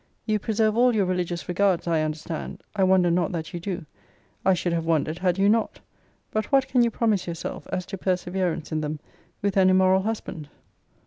You preserve all your religious regards, I understand. I wonder not that you do. I should have wondered had you not. But what can you promise youself, as to perseverance in them, with an immoral husband?